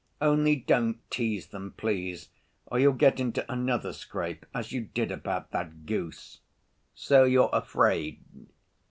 "Only don't tease them, please, or you'll get into another scrape as you did about that goose." "So you're afraid?"